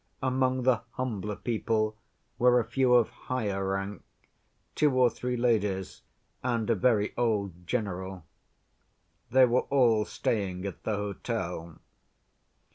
Among the humbler people were a few of higher rank—two or three ladies and a very old general. They were all staying at the hotel.